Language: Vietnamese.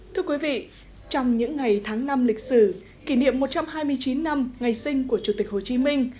thưa quý vị trong những ngày tháng năm lịch sử kỷ niệm một trăm hai mươi chín năm ngày sinh của chủ tịch hồ chí minh